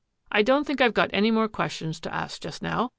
I don't think I've got any more questions to ask just now.